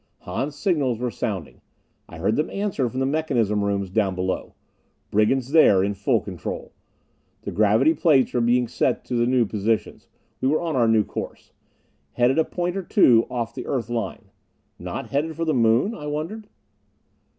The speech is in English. Hahn's signals were sounding; I heard them answered from the mechanism rooms down below. Brigands there in full control. The gravity plates were being set to the new positions; we were on our new course. Headed a point or two off the Earth line. Not headed for the moon? I wondered.